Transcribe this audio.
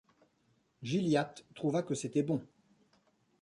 Gilliatt trouva que c’était bon.